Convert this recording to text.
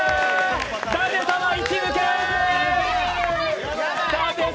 舘様１抜け！